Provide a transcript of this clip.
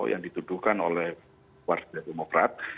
yang dituduhkan oleh partai demokrat